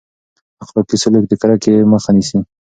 اخلاقي سلوک د کرکې مخه نیسي.